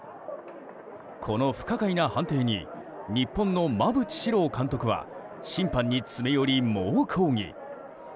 この不可解な判定に日本の馬淵史郎監督は審判に詰め寄り猛抗議。